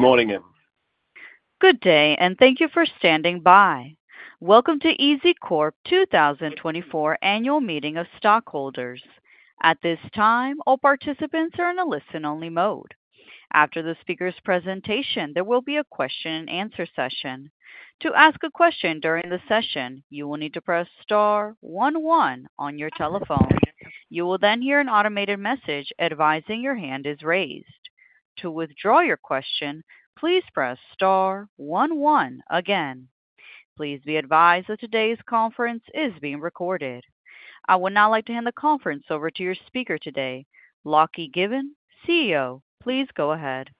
Good morning, Em. Good day, and thank you for standing by. Welcome to EZCORP 2024 annual meeting of stockholders. At this time, all participants are in a listen-only mode. After the speaker's presentation, there will be a question-and-answer session. To ask a question during the session, you will need to press star one one on your telephone. You will then hear an automated message advising your hand is raised. To withdraw your question, please press star one one again. Please be advised that today's conference is being recorded. I would now like to hand the conference over to your speaker today, Lachlan Given, CEO. Please go ahead.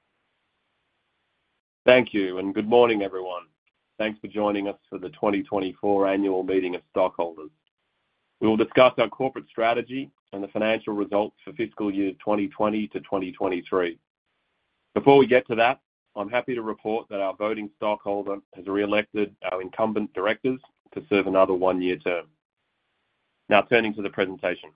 Thank you, and good morning, everyone. Thanks for joining us for the 2024 Annual Meeting of Stockholders. We will discuss our corporate strategy and the financial results for Fiscal Year 2020 to 2023. Before we get to that, I'm happy to report that our voting stockholder has re-elected our incumbent directors to serve another one-year term. Now turning to the presentation.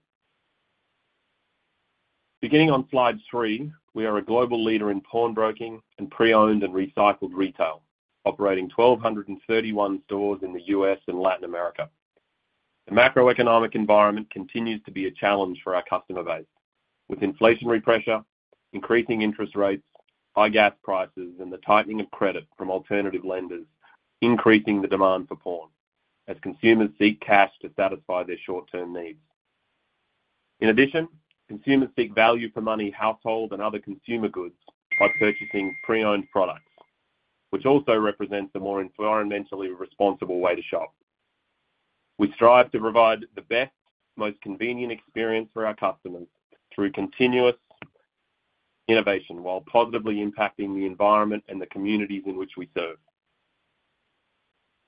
Beginning on slide three, we are a global leader in pawnbroking and pre-owned and recycled retail, operating 1,231 stores in the U.S. and Latin America. The macroeconomic environment continues to be a challenge for our customer base, with inflationary pressure, increasing interest rates, high gas prices, and the tightening of credit from alternative lenders increasing the demand for pawn as consumers seek cash to satisfy their short-term needs. In addition, consumers seek value-for-money household and other consumer goods by purchasing pre-owned products, which also represents a more environmentally responsible way to shop. We strive to provide the best, most convenient experience for our customers through continuous innovation while positively impacting the environment and the communities in which we serve.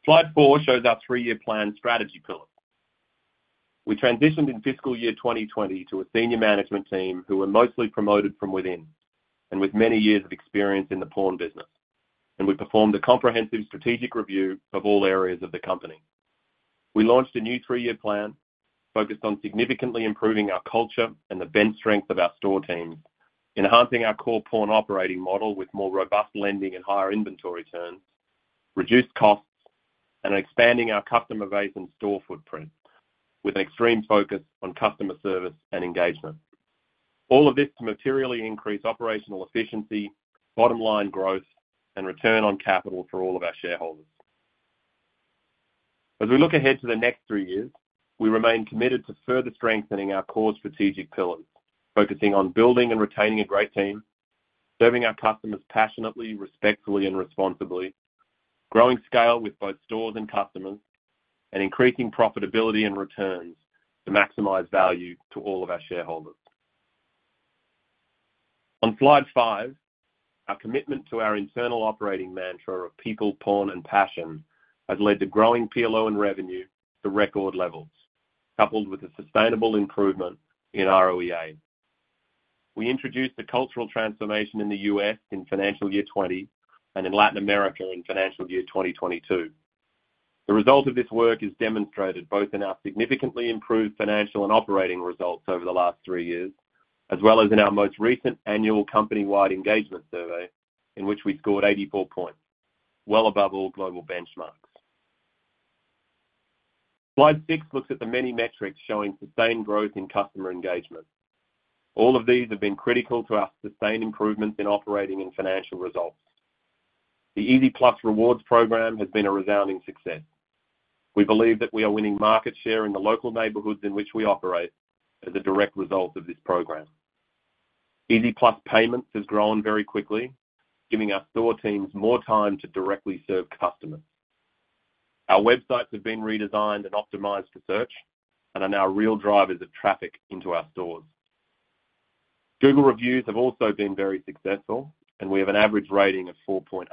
Slide four shows our three-year plan strategy pillar. We transitioned in fiscal year 2020 to a senior management team who were mostly promoted from within and with many years of experience in the pawn business, and we performed a comprehensive strategic review of all areas of the company. We launched a new three-year plan focused on significantly improving our culture and the brand strength of our store teams, enhancing our core pawn operating model with more robust lending and higher inventory turns, reduced costs, and expanding our customer base and store footprint with an extreme focus on customer service and engagement. All of this to materially increase operational efficiency, bottom-line growth, and return on capital for all of our shareholders. As we look ahead to the next three years, we remain committed to further strengthening our core strategic pillars, focusing on building and retaining a great team, serving our customers passionately, respectfully, and responsibly, growing scale with both stores and customers, and increasing profitability and returns to maximize value to all of our shareholders. On slide five, our commitment to our internal operating mantra of people, pawn, and passion has led to growing PLO and revenue to record levels, coupled with a sustainable improvement in ROEA. We introduced a cultural transformation in the U.S. in Financial Year 2020 and in Latin America in Financial Year 2022. The result of this work is demonstrated both in our significantly improved financial and operating results over the last three years, as well as in our most recent annual company-wide engagement survey in which we scored 84 points, well above all global benchmarks. Slide six looks at the many metrics showing sustained growth in customer engagement. All of these have been critical to our sustained improvements in operating and financial results. The EZ+ Rewards program has been a resounding success. We believe that we are winning market share in the local neighborhoods in which we operate as a direct result of this program. EZ+ payments have grown very quickly, giving our store teams more time to directly serve customers. Our websites have been redesigned and optimized for search and are now real drivers of traffic into our stores. Google reviews have also been very successful, and we have an average rating of 4.8.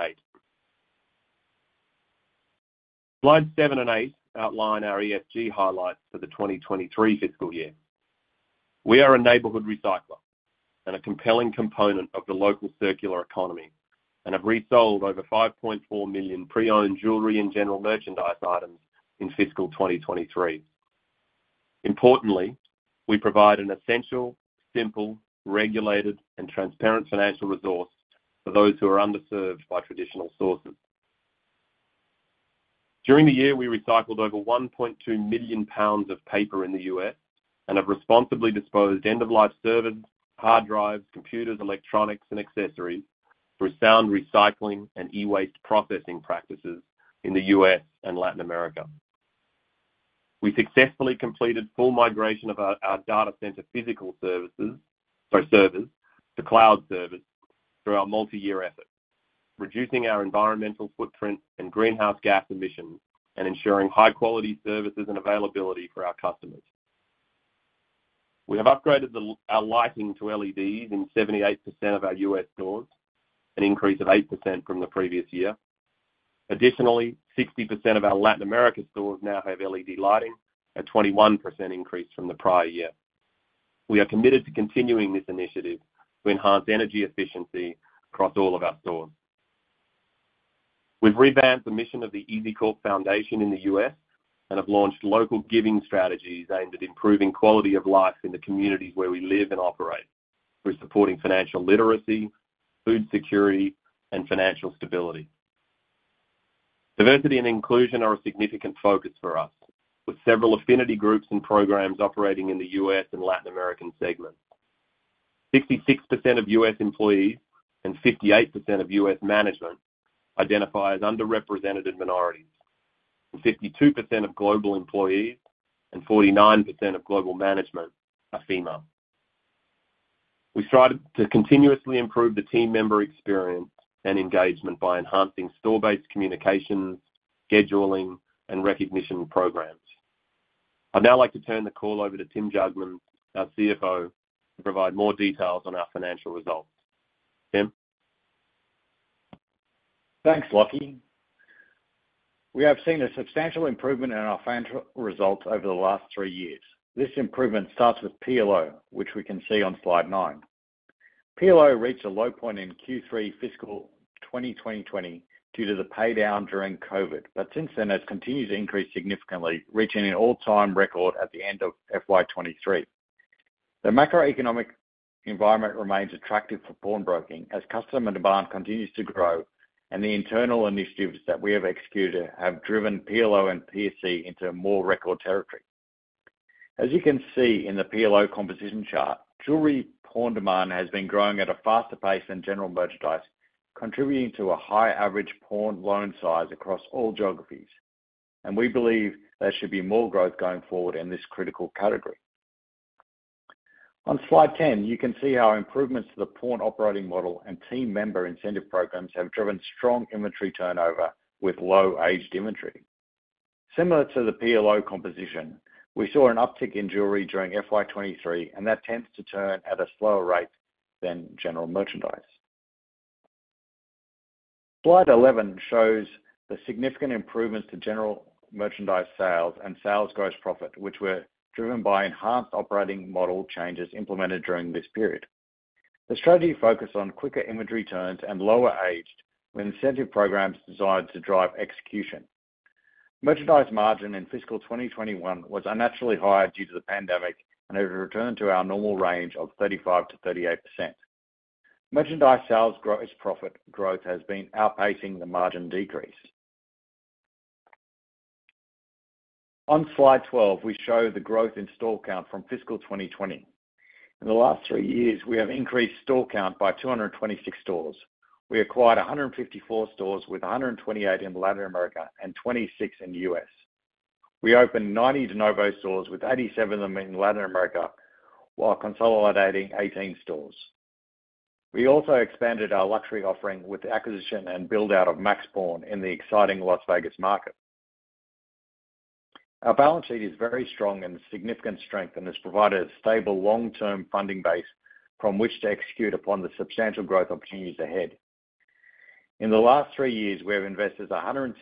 Slides seven and eight outline our ESG highlights for the 2023 Fiscal Year. We are a neighborhood recycler and a compelling component of the local circular economy and have resold over 5.4 million pre-owned jewelry and general merchandise items in Fiscal 2023. Importantly, we provide an essential, simple, regulated, and transparent financial resource for those who are underserved by traditional sources. During the year, we recycled over $1.2 million of paper in the U.S. and have responsibly disposed of end-of-life servers, hard drives, computers, electronics, and accessories through sound recycling and e-waste processing practices in the U.S. and Latin America. We successfully completed full migration of our data center physical services to cloud service through our multi-year effort, reducing our environmental footprint and greenhouse gas emissions and ensuring high-quality services and availability for our customers. We have upgraded our lighting to LEDs in 78% of our U.S. stores, an increase of 8% from the previous year. Additionally, 60% of our Latin America stores now have LED lighting, a 21% increase from the prior year. We are committed to continuing this initiative to enhance energy efficiency across all of our stores. We've revamped the mission of the EZCORP Foundation in the U.S. and have launched local giving strategies aimed at improving quality of life in the communities where we live and operate through supporting financial literacy, food security, and financial stability. Diversity and inclusion are a significant focus for us, with several affinity groups and programs operating in the U.S. and Latin American segments. 66% of U.S. employees and 58% of U.S. management identify as underrepresented minorities, and 52% of global employees and 49% of global management are female. We strive to continuously improve the team member experience and engagement by enhancing store-based communications, scheduling, and recognition programs. I'd now like to turn the call over to Tim Jugmans, our CFO, to provide more details on our financial results. Tim? Thanks, Lachlan. We have seen a substantial improvement in our financial results over the last three years. This improvement starts with PLO, which we can see on slide nine. PLO reached a low point in Q3 Fiscal 2020 due to the paydown during COVID, but since then, it has continued to increase significantly, reaching an all-time record at the end of FY 2023. The macroeconomic environment remains attractive for pawnbroking as customer demand continues to grow, and the internal initiatives that we have executed have driven PLO and PSC into more record territory. As you can see in the PLO composition chart, jewelry pawn demand has been growing at a faster pace than general merchandise, contributing to a high average pawn loan size across all geographies. We believe there should be more growth going forward in this critical category. On slide 10, you can see how improvements to the pawn operating model and team member incentive programs have driven strong inventory turnover with low aged inventory. Similar to the PLO composition, we saw an uptick in jewelry during FY23, and that tends to turn at a slower rate than general merchandise. Slide 11 shows the significant improvements to general merchandise sales and sales gross profit, which were driven by enhanced operating model changes implemented during this period. The strategy focused on quicker inventory turns and lower aged inventory with incentive programs designed to drive execution. Merchandise margin in Fiscal 2021 was unnaturally high due to the pandemic and has returned to our normal range of 35%-38%. Merchandise sales gross profit growth has been outpacing the margin decrease. On slide 12, we show the growth in store count from Fiscal 2020. In the last three years, we have increased store count by 226 stores. We acquired 154 stores with 128 in Latin America and 26 in the U.S. We opened 90 De Novo stores with 87 of them in Latin America while consolidating 18 stores. We also expanded our luxury offering with the acquisition and build-out of Max Pawn in the exciting Las Vegas market. Our balance sheet is very strong and significant strength and has provided a stable long-term funding base from which to execute upon the substantial growth opportunities ahead. In the last three years, we have invested $176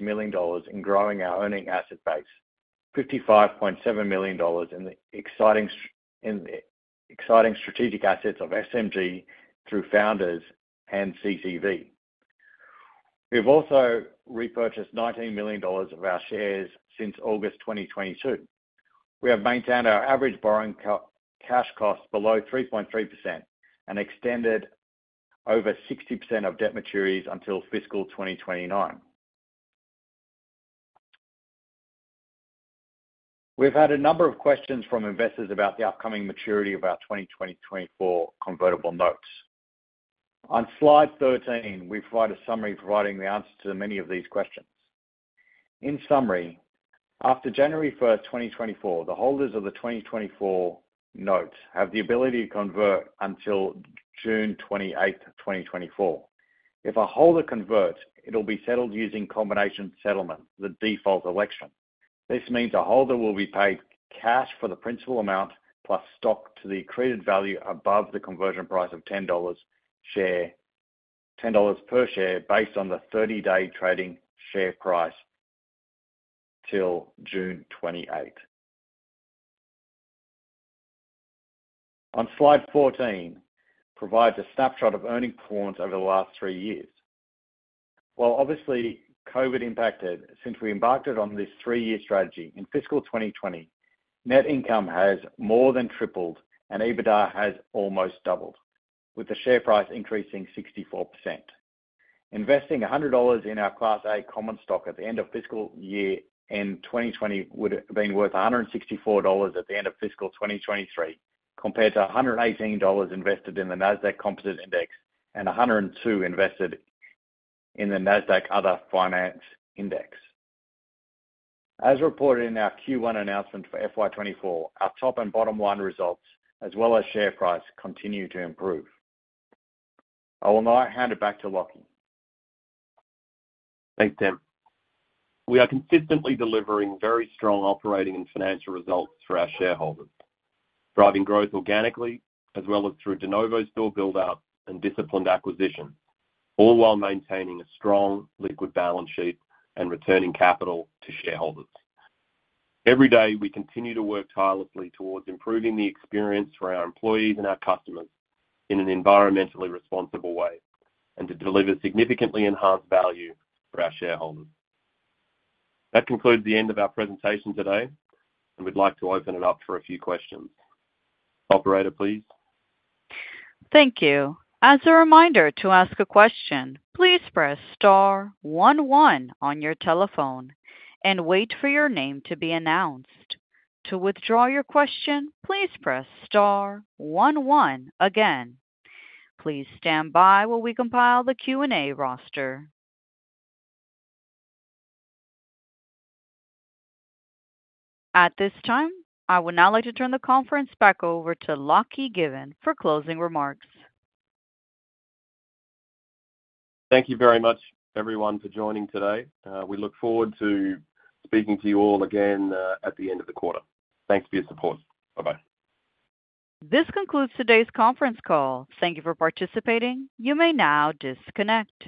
million in growing our earning asset base, $55.7 million in the exciting strategic assets of SMG, Founders and CCV. We have also repurchased $19 million of our shares since August 2022. We have maintained our average borrowing cash costs below 3.3% and extended over 60% of debt maturities until Fiscal 2029. We've had a number of questions from investors about the upcoming maturity of our 2024 convertible notes. On slide 13, we provide a summary providing the answers to many of these questions. In summary, after January 1st, 2024, the holders of the 2024 notes have the ability to convert until June 28th, 2024. If a holder converts, it'll be settled using combination settlement, the default election. This means a holder will be paid cash for the principal amount plus stock to the accreted value above the conversion price of $10 per share based on the 30-day trading share price till June 28th. On slide 14, it provides a snapshot of earning pawns over the last three years. While obviously COVID impacted, since we embarked on this three-year strategy in Fiscal 2020, net income has more than tripled, and EBITDA has almost doubled, with the share price increasing 64%. Investing $100 in our Class A common stock at the end of Fiscal Year-end 2020 would have been worth $164 at the end of fiscal 2023 compared to $118 invested in the Nasdaq Composite Index and $102 invested in the Nasdaq Other Financial Index. As reported in our Q1 announcement for FY 2024, our top and bottom-line results, as well as share price, continue to improve. I will now hand it back to Lachlan. Thanks, Tim. We are consistently delivering very strong operating and financial results for our shareholders, driving growth organically as well as through De Novo store build-outs and disciplined acquisitions, all while maintaining a strong liquid balance sheet and returning capital to shareholders. Every day, we continue to work tirelessly towards improving the experience for our employees and our customers in an environmentally responsible way and to deliver significantly enhanced value for our shareholders. That concludes the end of our presentation today, and we'd like to open it up for a few questions. Operator, please. Thank you. As a reminder to ask a question, please press star one one on your telephone and wait for your name to be announced. To withdraw your question, please press star one one again. Please stand by while we compile the Q&A roster. At this time, I would now like to turn the conference back over to Lachlan Given for closing remarks. Thank you very much, everyone, for joining today. We look forward to speaking to you all again at the end of the quarter. Thanks for your support. Bye-bye. This concludes today's conference call. Thank you for participating. You may now disconnect.